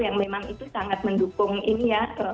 yang memang itu sangat mendukung ini ya